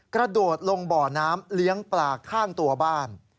กระโดดลงบ่อน้ำเลี้ยงปลาข้างตัวบ้าน